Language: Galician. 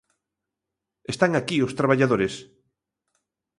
Están aquí os traballadores.